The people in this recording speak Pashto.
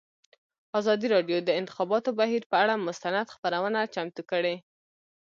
ازادي راډیو د د انتخاباتو بهیر پر اړه مستند خپرونه چمتو کړې.